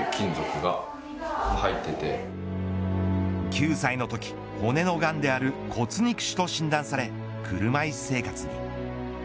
９歳のとき、骨のがんである骨肉腫と診断され車いす生活に。